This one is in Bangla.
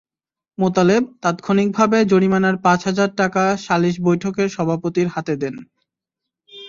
মোতালেব তাৎক্ষণিকভাবে জরিমানার পাঁচ হাজার টাকা সালিস বৈঠকের সভাপতির হাতে দেন।